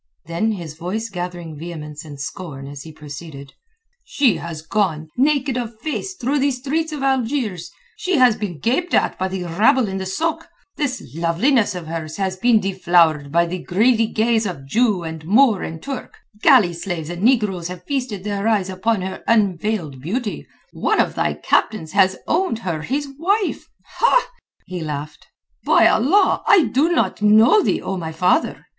Then his voice gathering vehemence and scorn as he proceeded: "She has gone naked of face through the streets of Algiers; she has been gaped at by the rabble in the sôk; this loveliness of hers has been deflowered by the greedy gaze of Jew and Moor and Turk; galley slaves and negroes have feasted their eyes upon her unveiled beauty; one of thy captains hath owned her his wife." He laughed. "By Allah, I do not know thee, O my father!